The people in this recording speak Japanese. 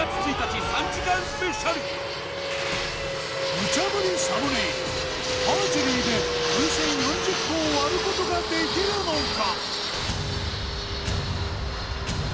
無茶ぶりサムネイルアーチェリーで風船４０個を割ることができるのか？